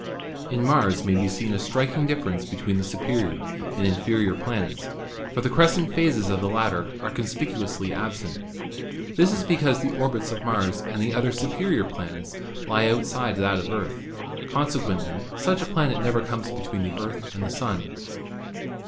In Mars may be seen a striking difference between the superior and inferior planets, for the crescent phases of the latter are conspicuously absent. This is because the orbits of Mars and the other superior planets lie outside of the Earth. Consequently such a planet never comes between the Earth and the Sun.